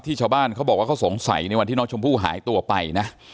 ชาวบ้านเขาบอกว่าเขาสงสัยในวันที่น้องชมพู่หายตัวไปนะ